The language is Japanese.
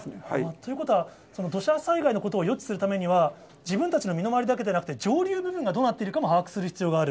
ということは、土砂災害のことを予知するためには、自分たちの身の回りだけではなくて、上流部分がどうなっているかも把握する必要がある？